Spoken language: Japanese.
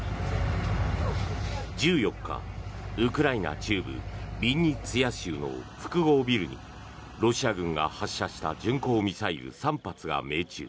１４日、ウクライナ中部ビンニツィア州の複合ビルにロシア軍が発射した巡航ミサイル３発が命中。